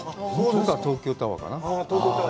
東京タワーかな。